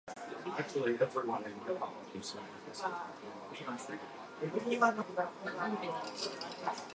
A paradox is a statement or proposition which is self-contradictory, unreasonable, or illogical.